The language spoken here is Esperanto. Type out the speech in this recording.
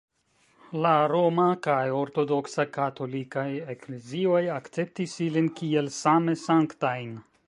La Roma kaj Ortodoksa katolikaj eklezioj akceptis ilin kiel same sanktajn.